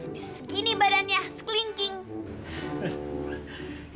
bisa segini badannya sekelinking